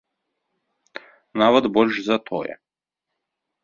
Нават больш за тое.